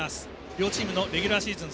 両チームのレギュラーシーズン